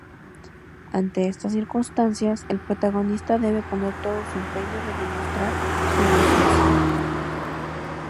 Ante estas circunstancias, el protagonista debe poner todo su empeño en demostrar su inocencia.